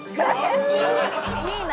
いいな。